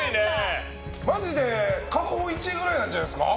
マジで過去イチくらいじゃないですか。